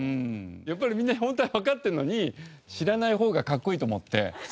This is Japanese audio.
やっぱりみんなホントはわかってるのに知らない方がかっこいいと思って。